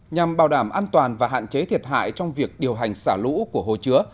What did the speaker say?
nhằm bảo đảm an toàn và hạn chế thiệt hại trong việc điều hành xả lũ của hồ chứa